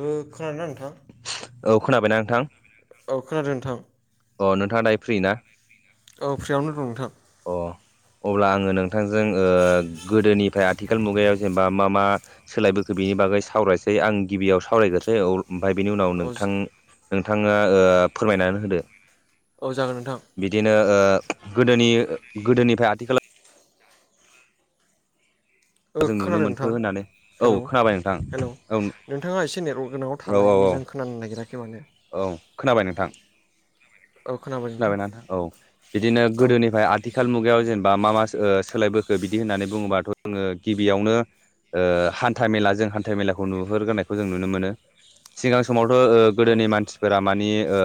ओ खोनादों ना नोंथां। औ खोनाबायना नोंथां। औ खोनादों नोंथां। अ नोंथाङा दायो फ्रि ना? औ फ्रिआवनो दं नोंथां। अ अब्ला आङो नोंथांजों ओ गोदोनिफ्राय आथिखाल मुगायाव जेनेबा मा-मा सोलायबोखो बिनि बागै सावरायसै आं गिबियाव सावरायग्रोसै औ ओमफाय बेनि उनाव औ नोंथां-नोंथाङा ओ फोरमायनानै होदो। औ जागोन नोंथां। बिदिनो ओ गोदोनि गोदोनिफ्राय आथिखालाव। ओ [inaudible] जों नुनो खोनादों नोंथां मोनखो होननानै औ हेलौ खोनाबाय नोंथां हेलौ औ। नोंथाङा एसे नेटवर्क गोनाङाव औ औ थालाय औ मोजां खोनानो नागिराखै माने। औ खोनाबाय नोंथां। औ खोनाबाय खोनाबायना नोंथां औ बिदिनो औ गोदोनिफ्राय आथ थिखाल मुगायाव जेनेबा मा-मा ओ सोलायबोखो बिदि होननानै बुङोबाथ' जोङो गिबियावनो ओ हान्था मेला जों हान्था मेलाखौ नुहरग्रोनायखौ जों नुनो मोनो सिगां समावथ' ओ औ गोदोनि मानसिफोरा मानि ओ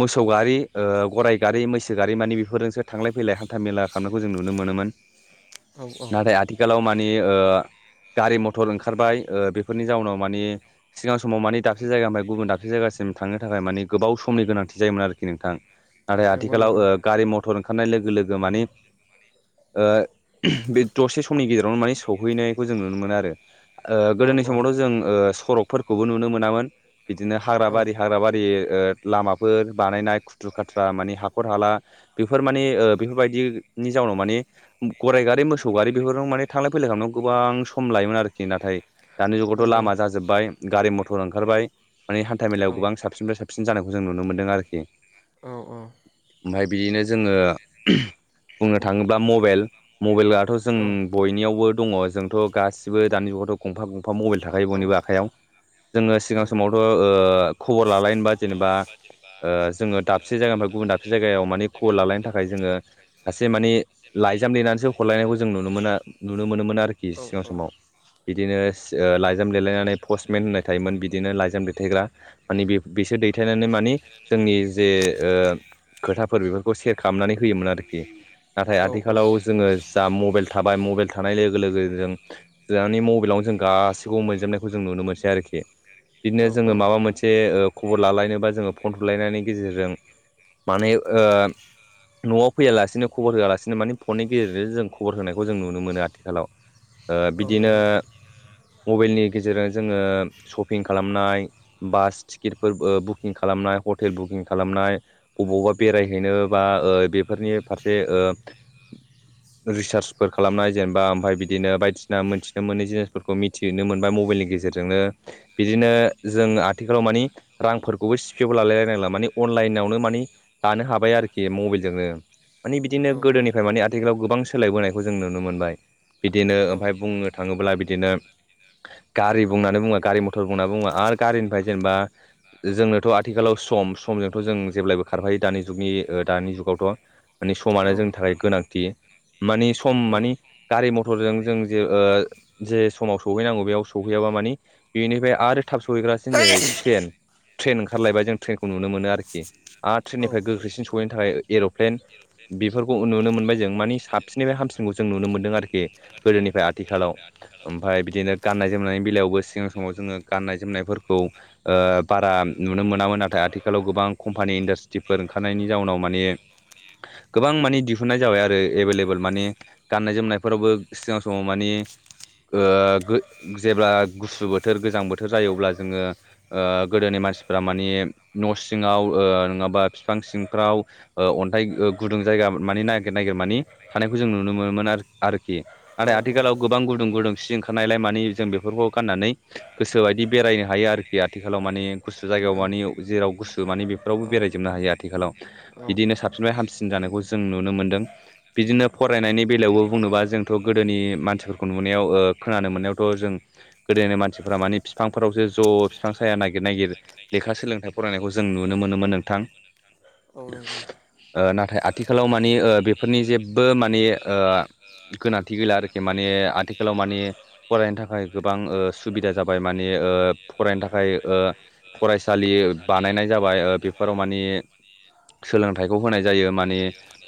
मोसौ गारि ओ गाराइ गारि मैसो गारि मानि बेफोरजोंसो थांलाय फैलाय हान्था मेला खालामनायखौ जों नुनो मोनोमोन। औ औ नाथाय आथिखालाव मानि ओ गारि मथर ओंखारबाय ओ बेफोरनि जाउनाव मानि सिगां समाव मानि दाबसे जायगानिमफ्राय गुबुन दाबसे जायगासिम थांनो थाखाय मानि गोबाव समनि गोनांथि जायोमोन आरोखि नोंथां। नाथाय नंगौ आथिखालाव नंगौ ओ गारि मथर ओंखारनाय लोगो लोगो मानि ओ बे दसे समनि गेजेरावनो माने सहैनायखौ जों नुनो मोनो आरो ओ औ गोदोनि औ समावथ' जों ओ सरकफोरखौबो नुनो मोनामोन। बिदिनो हाग्रा औ बारि हाग्रा बारि ओ लामाफोर बानायनाय। खुथ्रु खाथ्रा माने हाखर हाला बेफोर माने ओ बेफोरबायदिनि जाउनाव माने गराइगारि मोसौ गारि बेफोरजों माने थांलाय फैलाय खालामनायाव गोबां सम लायोमोन आरोखि नाथाय दानि जुगावथ' नंगौ लामा जाजोबबाय गारि मथर ओंखारबाय। माने हान्था मेलायाव औ गोबां साबसिननिफ्राय साबसिन जानायखौ जों नुनो मोन्दों आरोखि। औ औ ओमफाय बिदिनो जोङो बुंनो थाङोब्ला मबेल मबेलाथ' जों औ बयनियावबो दङ जोंथ' गासिबो दानि जुगावथ' गंफा-गंफा मबेल थाखायो औ बयनिबो आ खायाव जोङो औ सिगां समावथ' ओ खबर लालायनोबा जेनेबा ओ जोङो दाब से जायानिफ्राय गुबुन दाबसे जायगायाव मानि खबर लालायनो थाखाय जोङो। सासे मानि लाइजाम लिरनानैसो हरलायनायखौ जों नुनो मोना नुनो मोनोमोन आरोखि औ सिगां समाव। बिदिनोस लाइजाम लिरेलायनानै पस्टमेन होननाय थायोमोन बिदिनो लाइजाम दैथायग्रा। मानि बे-बेसोर दैथायनानै मानि जोंनि जे ओ खोथाफोर बेफोरखौ सेयार खालामनानै होयोमोन आरोखि। नाथाय आथिखालाव जोङो जा मबेल थाबाय मबेल थानाय लोगो-लोगो जों जोहानि मबेलावनो जों गासैखौबो मोनजोबनायखौ जों नुनो मोनसै आरोखि। औ बिदिनो जोङो माबा मोनसे खबर लालायनोबा जोङो फन थुलायनायनि गेजेरजों माने ओ न'आव फैयालासिनो खबर होआलासिनो मानिे फननि गेजेरजों जों खबर होनायखौ जों नुनो मोनो आथिखालाव ओ नंगौ औ बिदिनो मबाइलनि गेजेरजों जोङो शपिं खालामनाय बास टिकेटफोर बुकिं खालामनाय हटेल बुकिं खालामनाय बबावबा बेरायहैनो बा ओ बेफोरनि फारसे ओ [inaudible] रिसार्चफोर खालामनाय जेनेबा ओमफाय बिदिनो बायदिसिना मिथिनो मोनै जिनिसफोरखौ मिथि दिरनो मोनबाय मबाइलनि गेजेरजोंनो बिदिनो जों आथिखालाव मानि रांफोरखौबो सिफियावबो लालायलायनांला मानिे अनलाइनाव नो मानि लानो हाबाय आरोखि मबाइल जोंनो माने बिदिनो गोदोनिफ्राय माने आथिखालाव गोबां सोलायबोनायखौ जों नुनो मोनबाय बिदिनो औ ओमफ्राय बुंनो थाङोब्ला बिदिनो गारि बुंनानै बुङो गारि मथर बुंनानै बुङो आरो गारिनिफ्राय जेनेबा जोंनोथ' आथिखालाव सम समजोंथ' जों जेब्लायबो खारफायो दानि जुगनि दानि जुगावथ' मानि समानो जोंनि थाखाय गोनांथि माने सम माने गारि मथरजों जों जे ओ जे समाव सहैनांगौ बेयाव सौहैयाबा मानि बेनिफ्राय आरो थाब सहैग्रासिनो जेरै ट्रेन ट्रेन ओंखारलायबाय जों ट्रेनखौ नुनो मोनो आरोखि आरो ट्रेननिफ्राय गोख्रैसिन सहैनो थाखाय एर'प्लेन बेफोरखौ नुनो मोनबाय जों मानिे साबसिननिफ्राय हामसिनखौ जों नुनो मोन्दों आरोखि गोदोनिफ्राय आथिखालाव ओमफ्राय बिदिनो गाननाय जोमनायनि बेलायावबो सिगां समाव जोङो गाननाय जोमनायफोरखौ ओ बारा नुनो मोनामोन नाथाय आथिखालाव गोबां खम कम्पानि इन्डासट्रिफोर ओंखारनायनि जाउनाव माने गोबां माने दिहुननाय जाबाय आरो एभेलेबेल माने गाननाय जोमनायफोरावबो सिगां समाव मानिे ओ गो जेब्ला गुसु बोथोर गोजां बोथोर जायो अब्ला जोङो ओ गोदोनि मानसिफ्रा मानिे न' सिङाव ओ नङाबा बिफां सिंफ्राव ओ अन्थाइ गुदुं जायगा मानि नागिर नागिर मानि थानायखौ जों नुनो मोनोमोन आरोखि नाथाय आथिखालाव गोबां गुदुं गुदुं सि ओंखारनायलाय मानिे जों बेफोरखौ गाननानै गोसोबायदि बेरायनो हायो आरोखि आथिखालाव मानिे गुसु जायगायाव मानि जेराव गुसु माने औ बेफोरावबो बेरायजोबनो हायो आथिखालाव औ बिदिनो साबसिनफ्राय हामसिन जानायखौ जों नुनो मोन्दों बिदिनो फरायनायनि बेलायावबो बुंनोबा जोंथ' गोदोनि मानसिफोरखौ नुनायाव ओ खोनानो मोननायावथ' जों गोदोनि मानसिफोरा मानिे बिफांफोरावसो ज' बिफां साया नागिर नागिर लेखा सोलोंथाइ फरायनायखौ जों नुनो मोनोमोन नोंथां औ नोंगौ ओ नाथाय आथिखालाव मानि ओ बेफोरनि जेबो मानिे ओ गोनांथि गैला आरो माने आथिखालाव माने फरायनो थाखाय गोबां ओ सुबिदा जाबाय माने ओ फरायनो थाखाय ओ फरायसालि बानायनाय जाबाय ओ बेफोराव मानिे सोलोंथाइखौ होनाय जायो माने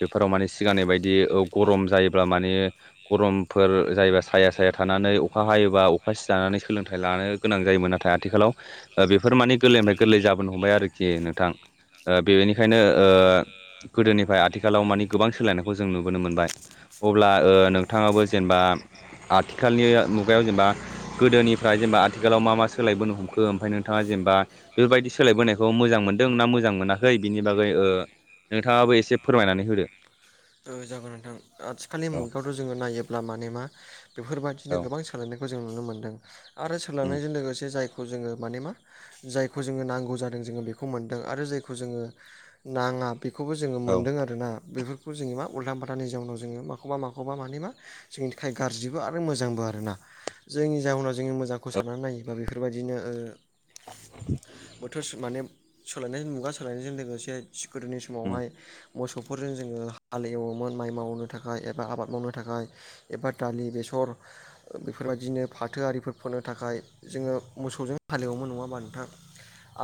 बेफोराव माने सिगांनि बायदि गरम जायोब्ला माने गरमफोर जायोबा साया साया थानानै अखा हायोबा अखा सि जानानै सोलोंथाइ लानो गोनां जायोमोन नाथाय आथिखालाव बेफोर माने गोरलैनिफ्राय गोरलै जाबोनो हमबाय आरोखि नोंथां ओ बेनिखायनो ओ गोदोनिफ्राय आथिखालाव मानिे गोबां सोलायनायखौ जों नुबोनो मोनबाय अब्ला ओ नोंथाङाबो जेनेबा आथिखालनि मुगायाव जेनेबा गोदोनिफ्राय जेनेबा आथिखालाव मा मा सोलायबोनो हमखो ओमफ्राय नोंथाङा जेनेबा बेबायदि सोलायबोनायखौ बेखौ मोजां मोनदों ना मोजां मोनाखै बिनि बागै ओ नोंथाङाबो एसे फोरमायनानै होदो ओ जागोन नोंथां आथिखालनि औ मुगायावथ' जोङो नायोब्ला माने मा बेफोरबायदिनो औ गोबां सोलायनायखौ जों नुनो मोन्दों आरो उम सोलोंनायजों लोगोसे जाय खौ जोङो माने मा जायखौ जोङो नांगौ जादों जोङो बेखौ मोनदों आरो जायखौ जोङो नाङा बेखौबो जोङो औ मोनदों आरोना बेफोरखौ जोङो मा उल्था फाल्थानि जाउनाव जोङो माखौबा माखौबा मानि मा जोंनि थाखाय गाज्रिबो आरो मोजांबो आरोना। जोंनि जाहोनाव जोङो मोजांखौ साननानै नायोबा बेफोरबायदिनो ओ बोथोरस माने सोलायनायजों मुगा सोलायनायजों लोगोसे सि गोदोनि उम समावहाय मोसौफोरजों जोङो हाल एवोमोन माइ मावनो थाखाय एबा आबाद मावनो थाखाय एबा दालि बेसर ओ बेफोरबायदिनो फाथोआरिफोर फोनो थाखाय जोङो मोसौजों हालेवोन नङा बानोथां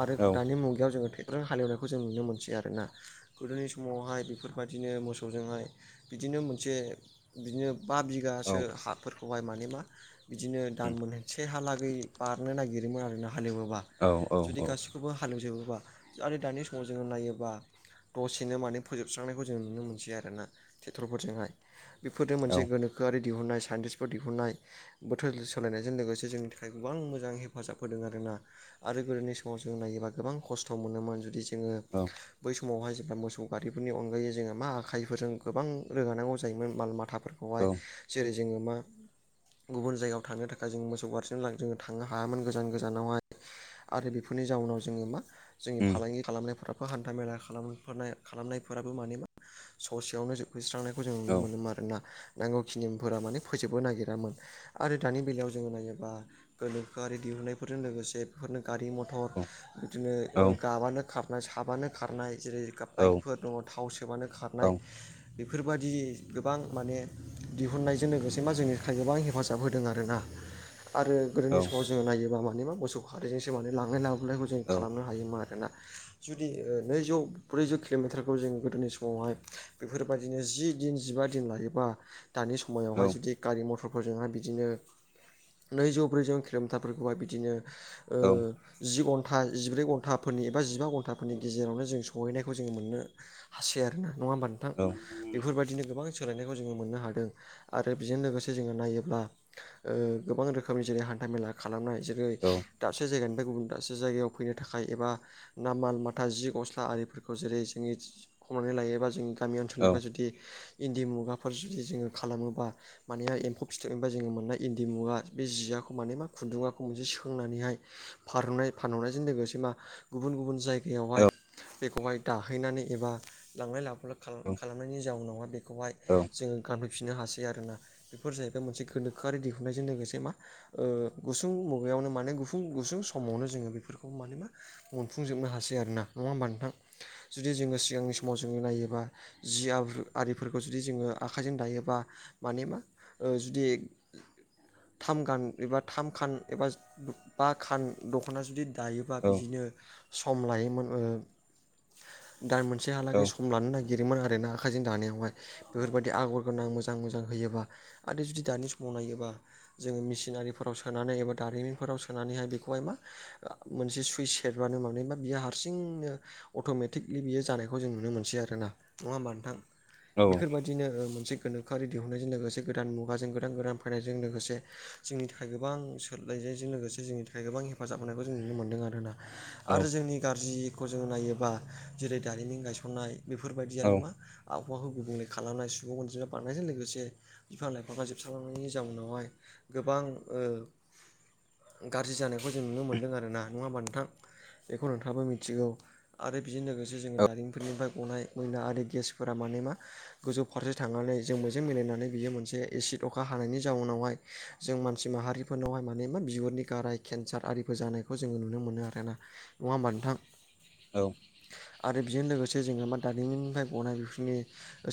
आरो औ दानि मुगायाव जोङो हालेवनायखौ जों नुनो मोनसै आरोना गोदोनि समावहाय बेफोरबायदिनो मोसौजोंहाय बिदिनो मोनसे बिदिनो बा औ बिगासो हाफोरखौहाय माने मा बिदिनो दान उम मोन से हालागै बारनो नागिरोमोन आरो ना हालेवोबा औ जुदि गासिखौबो खौबो हालेवजोबोबा आरो दानि समाव जोङो नायोबा दसेनो माने फोजोबस्रांनायखौ जों नुनो मोनसै आरो ना। फिट्रफोरजोंहाय बेफोरजों औ मोनसे उम गोनोखोआरि दिहुननाय साइन्टिस्टफोर दिहुननाय बोथोर सोलायनायजों लोगोसे जोंनि थाखाय गोबां मोजां हेफाजाब होदों आरोना आरो गोदोनि समाव जों नायोबा गोबां खस्थ' मोनोमोन जुदि जों जोङो औ औ बै समावहाय जेब्ला मोसौ गारिफोरनि अनगायै जोङो मा आखाइफोरजों गोबां रोगानांगौ जायोमोन माल माथाफोरखौहाय जेरै जोङो मा गुबुन जायगायाव थांनो थाखाय जों मोसौ बारसिनो थांनो हायामोन गोजान गोजानावहाय आरो बेफोरनि जाउनाव जोङो मा? जोंनि फालांगि खालामनायफ्राबो हान्था मेला खालाम खालामनायफोराबो माने मा ससेयावनो होस्रांनायखौ जों नुनो मोनोमोन आरोना नांगौ खिनिफोरा माने फोजोबबो नागिरामोन आरो दानि बेलायाव जोङो नायोबा गोनोखोआरि दिहुनायफोरजों लोगोसे बेफोरनो गारि मथर बिदिनो ओ गाबानो खारनाय साबानो खारनाय जेरै गाब बाइकफोर दङ थाव सोबानो खारनाय बेफोरबायदि गोबां माने दिहुननायजों लोगोसे मा जोंनि थाखाय गोबां हेफाजाब होदों आरोना आरो गोदोनि समाव जोङो नायोबा मानिबा मोसौ गारिजोंसो माने लांलाय लाबोलायखौ जों औ खालामनो हायो। हायोमोन आरोना जुदि नैजौ ब्रैजौ किल'मिटारखौ जों गोदोनि समावहाय बेफोरबायदिनो जि दिन जिबा दिन लायोबा दानि औ समायावहाय जुदि गारि मथरफोरजोंहाय बिदिनो नैजौ ब्रैजौ किल'मिटारफोरखौहाय बिदिनो ओ औ जि घन्टा जिब्रै घन्टाफोरनि एबा जिबा घन्टाफोरनि गेजेरावनो जों सहैनायखौ जोङो मोननो हासै आरोना नङा होमबा नोंथां उम उम बेफोरबायदिनो गोबां सोलायनायखौ जोङो मोननो हादों आरो बेजों लोगोसे जोङो नायोब्ला गोबां रोखोमनि जेरै हान्थ मेला खालामनाय जेरै दाबसे जायगानिफ्राय गुबुन दाबसे जायगायाव फैनो थाखाय एबा ना माल माथा जि गस्ला आरिफोरखौ जेरै जोङो खमनानै लायोबा जों गामि ओनसोलनिफ्राय जुदि इन्दि मुगाफोर जुदि जोङो खालामोबा माने एम्फौ फिथोबनिफ्राय जोङो मोननाय इन्दि मुगा बे जियाखौ माने मा खुन्दुंङाखौ मोनसे सोंनानैहाय फानहरनाय फानहरनायजों लोगोसे मा गुबुन गुबुन जायग यावहाय बेखौहाय दाहैनानै एबा लांलाय लाबोफलाय खालामनायनि जाउनाव बेखौ बेखौहाय जोङो गानफैफिननो हासै आरोना बेफोर जाहैबाय मोनसे गोनोखोआरि दिहुननायजों लोगोसे मा ओ गुसुं मुगायावनो माने गुफुं गुसुं समावनो जोङो बेफोरखौ माने मा मोनफुंजोबनो हासै आरोना नङा होमबा नोंथां जुदि जोङो सिगांनि समाव जोङो नायोबा जिया आरिफोरखौ जुदि जोङो आखाइजों दायोबा माने मा ओ जुदि थाम गान एबा थाम खान एबा बा खान दख'ना जुदि दायोबा उम बिदिनो सम लायोमोन ओ दा मोनसेहालागै सम लानो नागिरोमोन आरो ना आखाइजों दानायावहाय बेफोरबायदि आगर गोनां मोजां मोजां होयोबा आरो जुदि दानि समाव नायोबा जोङो मेसिनारिफोराव सोनानै एबा दारिमिनफोराव सोनानैहाय बेखौहाय मा मोनसे सुइस सेरबानो मानायबा बियो हारसिंनो अट'मेटिकलि बियो जानायखौ जों नुनो मोनसै आरोोना नङा होमबा नोंथां बेफोरबायदि बिदिनो मोनसे गोनोखोआरि दिहुननायजों लोगोसे गोदान मुगाजों गोदान गोदान फैनायजों लोगोसे जोंनि थाखाय गोबां सोलोलायनायजों लोगोसे जोंनि थाखाय गोबां हेफाजाब होनायखौ जों नुनो मोन्दों आरोना। आरो जोंनि गाज्रिखौ जों नायोबा जेरै दारिमिन गायसननाय बेफोर बेफोरबायादियानो मा आबहावाखौ गुबुंले खालामनाय सुबुं अनजिमा बारनायजों लोगोसे बिफां लाइफाङा जोबस्रलांनायनि जाउनावहाय गोबां गाज्रि जानायखौ जों नुनो मोनदों आर ना नङा होमबा नोंथां। बेखौ नोंथाङाबो मिथिगौ आरो बेजों लोगोसे जोङो दारिमिफोरनिफ्राय गनाय मयला आरो गेसफोरा माने मा गोजौ फारसे थांनानै जों मोजजों मिलायनानै बियो मोनसे एसिड अखा हानायनि जाउनावहाय जों मानसि माहारिफोरनावहाय माने मा बिबुरनि गाराय केन्सार आरिफोर जानायखौ जोङो नुनो मोनो आरोना। नङा होमबा नोंथां? औ। आरो बेजों लोगोसे जोो मा दारिमिननिफ्राय बनाय बिफोरनि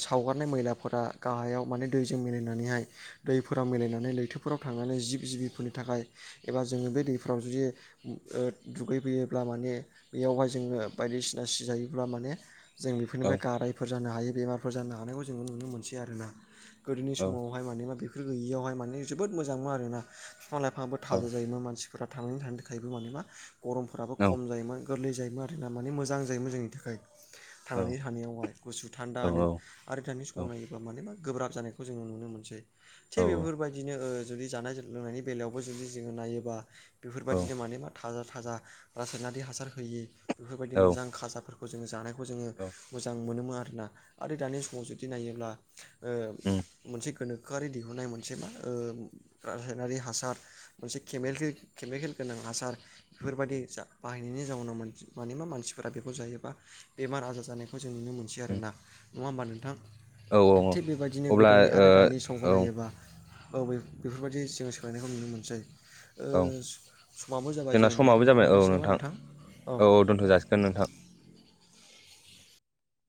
सावगारनाय मैलाफोरा गाहायाव माने दैजों मिलायनानैहाय दैफोराव मिलायनानै लैथोफोराव थांनानै जिब जिबिफोरनि थाखाय एबा जोङो बे दैफोराव जुदि दुगै फैयोब्ला माने बेयावहाय जोङो बायदिसिना सि जायोब्ला माने जों बेफोरनिफ्राय गारायफोर जानो हायो बेमारफोर जानो हानायखौ जोङो नुनो मोनसै आरोोना गोदोनि समाव मेा बेफोर गैयियावहाय माने जोबो मोजां मोन आरोना बिफां लाइफाङाबो थाज जायोमोन माने फ्रा थांनानै थानो थाखायबो मान मा गरमफोराबो खम जायोमोन। गोरलै जायोमोन आर ना माने मोजां जायोमोन जोंनि थाखाय थांनानै थानायावहाय गुसु थान्दानो औ आर दानि समाव नायोब्ला मानोबा गोब्राब जानायखौ जोङो नुनो मोनसै थिग बेफोरबायदि बिदिनो जुदि जानाय लोंनायनि बेलायावबो जुदि जोङो नायोबा बेफोरबायदिनो माने मा थाजा थाजा रासायनारि हासार होयि बेफोरबायदि मोजां खाजाफोरखौ जोङो जानायखौ जोङो मोजां मोनोमोन आरोना आरो दानि समाव जुदि नायोब्ला मोनसे गोनोखोआरि दिहुननाय मोनसे मा रासायनारि हासार मोनसे केेल केमिकेल गोनां हासार बेफोरबायदि जा बाहायनायनि जाउनाव मानिबा मानसिफोरा बेखौ जायोबा बेमार आजार ज जानायखौ जों नुनो मोनसै आरोना नङा होमबा नोंथां। औ थिग बेबायदिनो अब्ला गोदोनि आरो दानि समखौ ओ औ नायोबा औ बेफोरबायदि जोङो सोलायनायखौ नुनो मोनसै। औ समाबो जाबाय जोंना जोंनिया समाबो जाबाय दंथ'लायनोसै नामा नोंथां औ। दा नोंथां।